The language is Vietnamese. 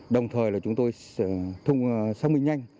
đồng thời là chúng tôi xong mình nhanh